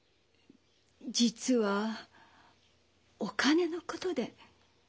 実はお金のことで。